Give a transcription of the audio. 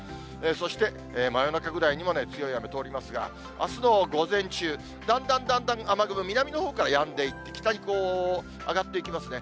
そして、真夜中ぐらいにも強い雨通りますが、あすの午前中、だんだんだんだん雨雲、南のほうからやんでいって、北に上がっていきますね。